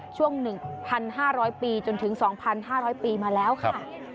ช่วง๑๕๐๐ปีจนถึง๒๕๐๐ปีมาแล้วค่ะ